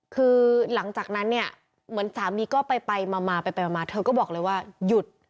คือหลังจากนั้นเนี่ยเหมือนสามีก็ไปมาไปมาเธอก็บอกเลยว่าหยุด